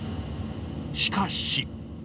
しかし。